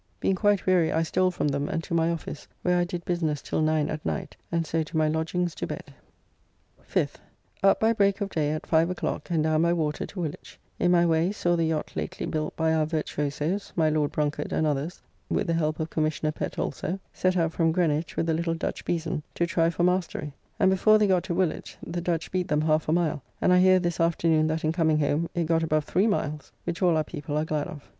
Being quite weary I stole from them and to my office, where I did business till 9 at night, and so to my lodgings to bed. 5th. Up by break of day at 5 o'clock, and down by water to Woolwich: in my way saw the yacht lately built by our virtuosoes (my Lord Brunkard and others, with the help of Commissioner Pett also) set out from Greenwich with the little Dutch bezan, to try for mastery; and before they got to Woolwich the Dutch beat them half a mile (and I hear this afternoon, that, in coming home, it got above three miles); which all our people are glad of.